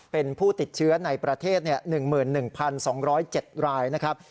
เป็นผู้ติดเชื้อในประเทศ๑๑๒๐๗รายนะครับ